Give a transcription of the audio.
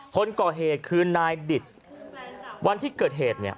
คนก่อเหตุคือนายดิตวันที่เกิดเหตุเนี่ย